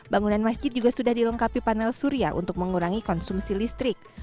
bangunan masjid juga sudah dilengkapi panel surya untuk mengurangi konsumsi listrik